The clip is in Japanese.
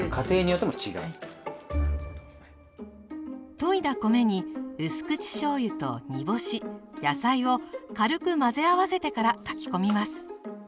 といだ米にうす口しょうゆと煮干し野菜を軽く混ぜ合わせてから炊き込みます。